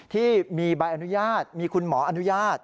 ที่มีใบอนุญาตมีคุณหมออนุญาต